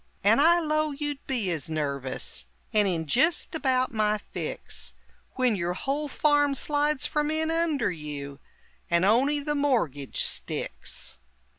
And I 'low you'd be as nervous, And in jist about my fix, When yer whole farm slides from inunder you, And on'y the mor'gage sticks!